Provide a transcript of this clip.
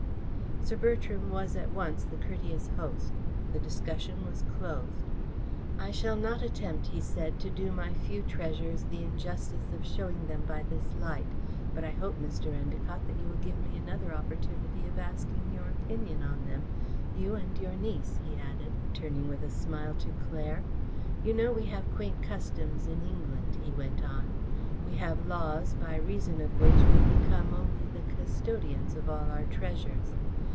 Sir Bertram was at once the courteous host. The discussion was closed. "I shall not attempt," he said, "to do my few treasures the injustice of showing them by this light, but I hope, Mr. Endacott, that you will give me another opportunity of asking your opinion on them you and your niece," he added, turning with a smile to Claire. "You know we have quaint customs in England," he went on. "We have laws by reason of which we become only the custodians of all our treasures.